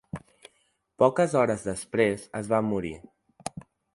Poques hores després es va morir.